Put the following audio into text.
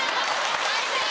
最低！